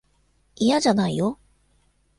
いやじゃないよ。